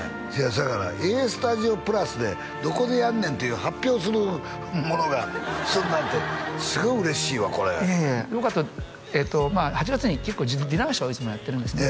そやから「ＡＳＴＵＤＩＯ＋」でどこでやんねんっていう発表するなんてすごい嬉しいわこれいやいやよかったら８月に結構ディナーショーをいつもやってるんですね